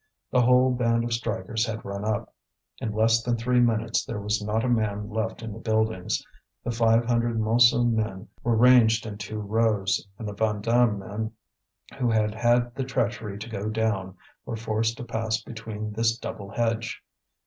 The whole band of strikers had run up. In less than three minutes there was not a man left in the buildings; the five hundred Montsou men were ranged in two rows, and the Vandame men, who had had the treachery to go down, were forced to pass between this double hedge.